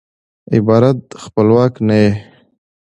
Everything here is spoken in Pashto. عبارت خپلواک نه يي.